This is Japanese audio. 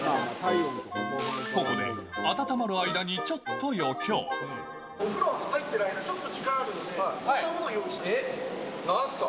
ここで、温まる間に、お風呂入ってる間、ちょっと時間があるので、こんなものを用意しました。